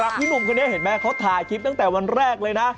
พี่หนุ่มคนนี้เห็นไหมเขาถ่ายคลิปตั้งแต่วันแรกเลยนะ